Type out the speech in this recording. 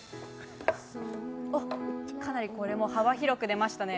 かなりこれも幅広く出ましたね。